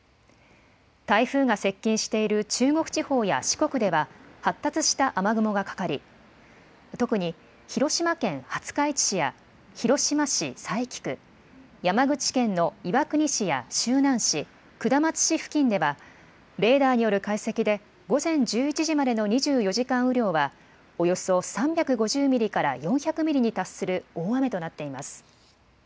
台風が接近している中国地方や四国では、発達した雨雲がかかり、特に広島県廿日市市や、広島市佐伯区、山口県の岩国市や周南市、下松市付近では、レーダーによる解析で午前１１時までの２４時間雨量は、およそ３５０ミリから４００ミリに達する大雨となっています。